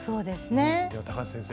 では高橋先生